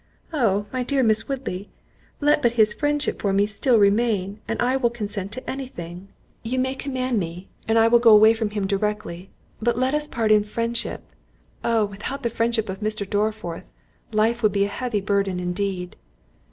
Oh! my dear Miss Woodley, let but his friendship for me still remain, and I will consent to any thing. You may command me. I will go away from him directly—but let us part in friendship—Oh! without the friendship of Mr. Dorriforth, life would be a heavy burthen indeed."